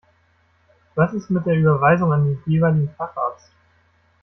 Was ist mit der Überweisung an den jeweiligen Facharzt?